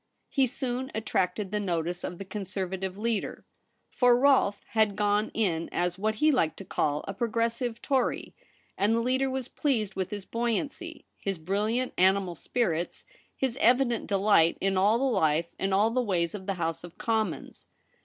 He soon attracted the notice of the Conservative leader — for Rolfe had gone in as what he liked to call a ' Progressive Tory ;' and the leader was pleased with his buoyancy, his brilliant animal spirits, his evident delight in all the life and all the ways of the House of Commons.